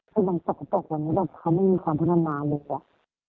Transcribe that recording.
จัดตรงจากการที่แบบนี้เขาก็ไม่มีความพฤตนานมาเลย